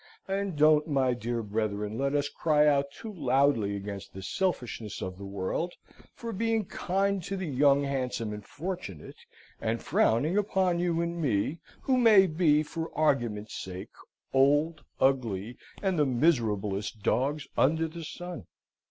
And don't, my dear brethren, let us cry out too loudly against the selfishness of the world for being kind to the young, handsome, and fortunate, and frowning upon you and me, who may be, for argument's sake, old, ugly, and the miserablest dogs under the sun.